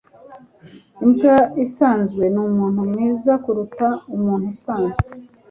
imbwa isanzwe ni umuntu mwiza kuruta umuntu usanzwe